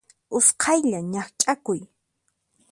Usqhaylla ñaqch'akuy.